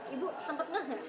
ibu sempet nggak ya